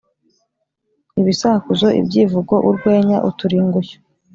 ibisakuzo, ibyivugo, urwenya, uturingushyo